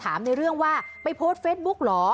ในเรื่องว่าไปโพสต์เฟซบุ๊กเหรอ